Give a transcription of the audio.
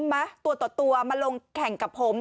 มาตัวต่อตัวมาลงแข่งกับผม